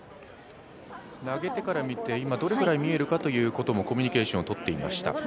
投げ手から見てどれくらい見えるかということもコミュニケーションをとっていました。